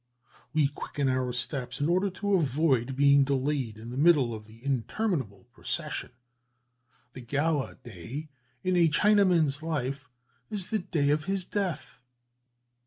"We quicken our steps in order to avoid being delayed in the middle of the interminable procession. The gala day in a Chinaman's life is the day of his death.